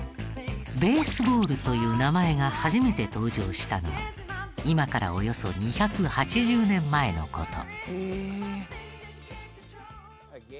ベースボールという名前が初めて登場したのは今からおよそ２８０年前の事。